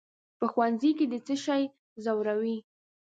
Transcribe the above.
"په ښوونځي کې دې څه شی ځوروي؟"